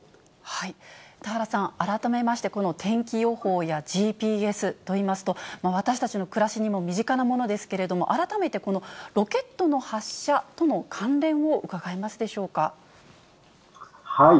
田原さん、改めまして、この天気予報やＧＰＳといいますと、私たちの暮らしにも身近なものですけれども、改めてこのロケットの発射との関連を伺えますでしょうか。